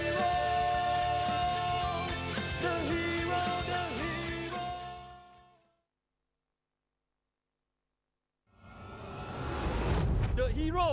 จังหวะฉายของทนาภูซานครับท่านผู้ชมครับ